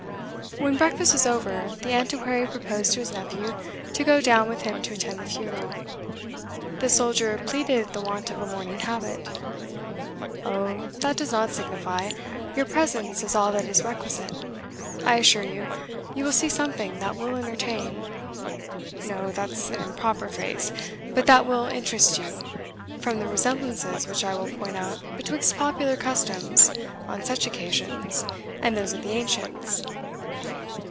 When breakfast was over, the Antiquary proposed to his nephew to go down with him to attend the funeral. The soldier pleaded the want of a mourning habit. "O, that does not signify your presence is all that is requisite. I assure you, you will see something that will entertain no, that's an improper phrase but that will interest you, from the resemblances which I will point out betwixt popular customs on such occasions and those of the ancients."